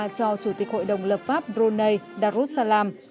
cho chủ tịch hội đồng lập pháp brunei darussalam